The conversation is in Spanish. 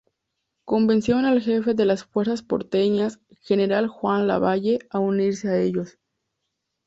Convencieron al jefe de las fuerzas porteñas, general Juan Lavalle, a unirse a ellos.